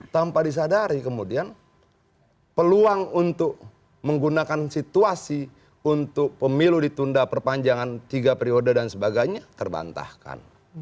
tanpa disadari kemudian peluang untuk menggunakan situasi untuk pemilu ditunda perpanjangan tiga periode dan sebagainya terbantahkan